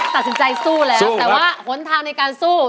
ตัดสินใจสู้แล้วแต่ว่าหนทางในการสู้